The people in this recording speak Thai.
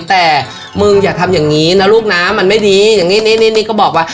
แต่มึงอย่าทำอย่างนี้นะลูกนะมันไม่ดีอย่างนี้นี่นี่ก็บอกว่า